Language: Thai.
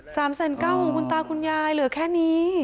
สามแสนเก้าของคุณตาคุณยายเหลือแค่นี้